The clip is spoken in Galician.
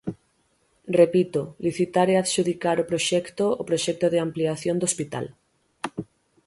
Repito: licitar e adxudicar o proxecto, o proxecto de ampliación do hospital.